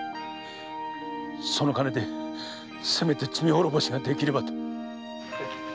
その金でせめて罪滅ぼしができればと。